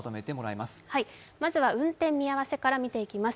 まずは運転見合せから見ていきます。